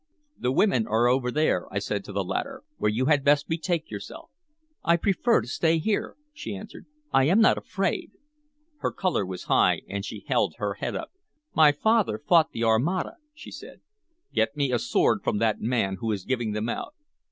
"The women are over there," I said to the latter, "where you had best betake yourself." "I prefer to stay here," she answered. "I am not afraid." Her color was high, and she held her head up. "My father fought the Armada," she said. "Get me a sword from that man who is giving them out."